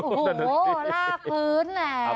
โอ้โหลากพื้น